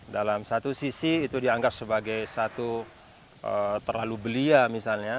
dalam satu sisi itu dianggap sebagai satu terlalu belia misalnya